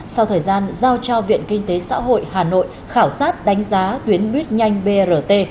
sau thời gian giao cho viện kinh tế xã hội hà nội khảo sát đánh giá tuyến buýt nhanh brt